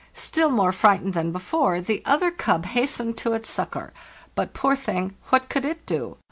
Still more frightened than before, the other cub hastened to its succor; but, poor thing, what could it do?